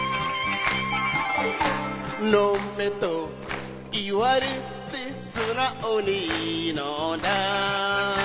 「飲めと言われて素直に飲んだ」